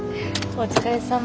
お疲れさま。